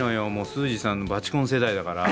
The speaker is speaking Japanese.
スージーさんのバチコン世代だから。